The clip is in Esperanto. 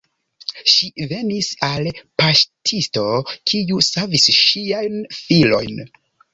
Ŝi venis al paŝtisto, kiu savis ŝiajn filojn.